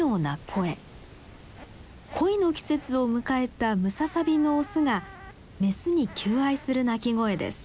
恋の季節を迎えたムササビのオスがメスに求愛する鳴き声です。